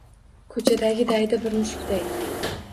Ko’chadagi daydi bir mushukday